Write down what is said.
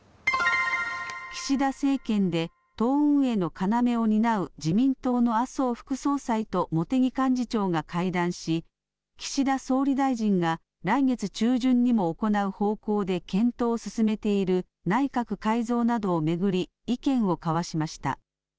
岸田政権で党運営の要を担う自民党の麻生副総裁と茂木幹事長が会談し、岸田総理大臣が来月中旬にも行う方向で検討を進めている内閣改造などを巡り、意見を交わしました。